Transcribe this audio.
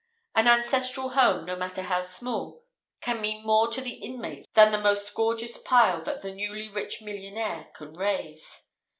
An ancestral home, no matter how small, can mean more to the inmates than the most gorgeous pile that the newly rich millionaire can raise.